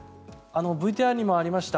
ＶＴＲにもありました